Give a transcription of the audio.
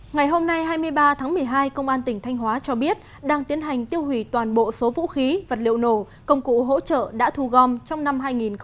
ngày hôm nay hai mươi ba tháng một mươi hai công an tỉnh thanh hóa cho biết đang tiến hành tiêu hủy toàn bộ số vũ khí vật liệu nổ công cụ hỗ trợ đã thu gom trong năm hai nghìn hai mươi ba